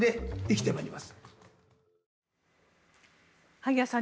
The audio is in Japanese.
萩谷さん